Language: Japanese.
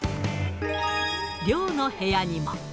寮の部屋にも。